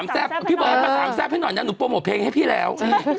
ให้กูเรียนหนูโปรโมทเพลงให้พี่แล้ว